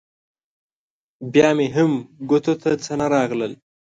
بیا مې هم ګوتو ته څه رانه غلل.